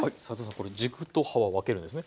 これ軸と葉は分けるんですね？